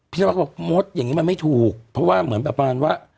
วัดก็บอกมดอย่างนี้มันไม่ถูกเพราะว่าเหมือนประมาณว่า